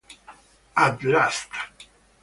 At Last!